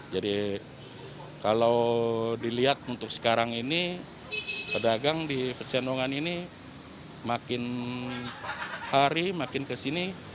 jadi kalau dilihat untuk sekarang ini pedagang di pecenongan ini makin hari makin kesini